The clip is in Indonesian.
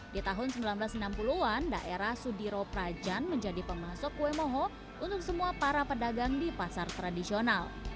di tahun seribu sembilan ratus enam puluh an daerah sudiro prajan menjadi pemasok kue moho untuk semua para pedagang di pasar tradisional